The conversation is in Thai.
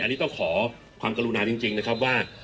อันนี้ต้องขอความกรุณาจริงนะครับว่า